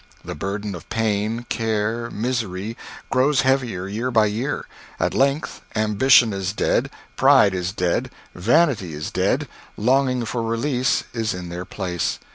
The burden of pain, care, misery, grows heavier year by year; at length, ambition is dead, pride is dead; vanity is dead; longing for release is in their place.